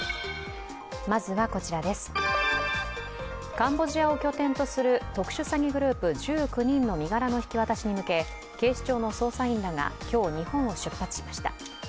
カンボジアを拠点とする特殊詐欺グループ１９人の身柄の引き渡しに向け警視庁の捜査員らが今日、日本を出発しました。